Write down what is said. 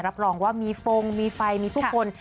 รับรองว่ามีฟงมีไฟมีผู้คน